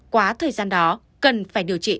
quá thời gian đó cần phải điều trị